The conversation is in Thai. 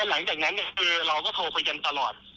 พอหลังจากนั้นเนี่ยเราก็โทรไปกันตลอด